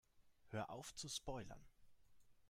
Hör auf zu spoilern!